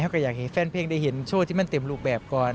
ก็อยากเห็นแฟนเพลงได้เห็นโชว์ที่มันเต็มรูปแบบก่อน